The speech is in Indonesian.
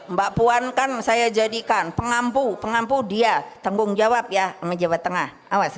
mbak puan kan saya jadikan pengampu pengampu dia tanggung jawab ya sama jawa tengah